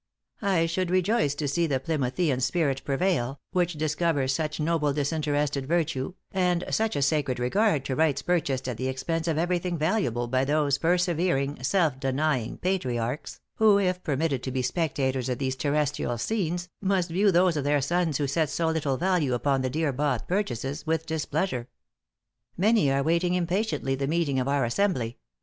I should rejoice to see the Plymouthean spirit prevail, which discovers such noble disinterested virtue, and such a sacred regard to rights purchased at the expense of every thing valuable by those persevering, self denying patriarchs, who, if permitted to be spectators of these terrestrial scenes, must view those of their sons who set so little value upon the dear bought purchases, with displeasure. Many are waiting impatiently the meeting of our assembly.....